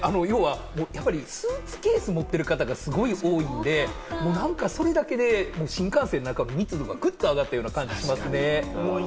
スーツケース持ってる方がすごい多いんで、もうそれだけで新幹線の中、密度がぐっと上がったような感じがしますね。